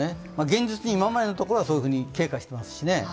現実に今までのところはそういうふうに経過していますしね。